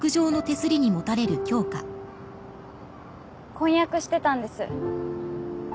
婚約してたんです。